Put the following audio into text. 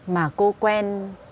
mà cô quen